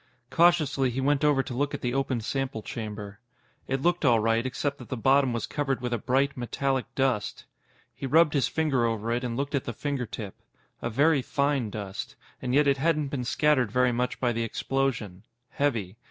Cautiously, he went over to look at the open sample chamber. It looked all right, except that the bottom was covered with a bright, metallic dust. He rubbed his finger over it and looked at the fingertip. A very fine dust. And yet it hadn't been scattered very much by the explosion. Heavy.